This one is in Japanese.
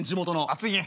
熱いね。